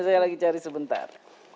saya lagi cari sebentar